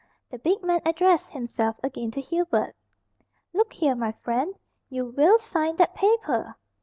The big man addressed himself again to Hubert. "Look here, my friend, you will sign that paper."